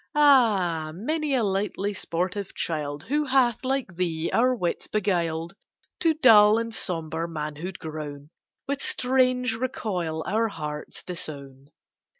Ah! many a lightly sportive child, Who hath like thee our wits beguiled, To dull and sober manhood grown, With strange recoil our hearts disown.